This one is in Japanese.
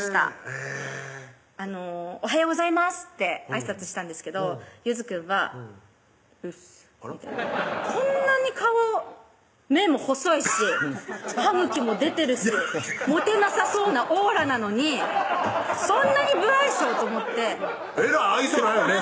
へぇ「おはようございます」ってあいさつしたんですけどゆずくんは「うっす」みたいなこんなに顔目も細いし歯ぐきも出てるしモテなさそうなオーラなのにそんなに無愛想？と思ってえらい愛想ないよね